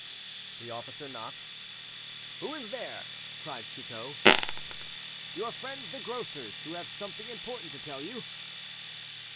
The officer knocked. "Who is there?" cried Chicot. "Your friends the grocers, who have something important to tell you."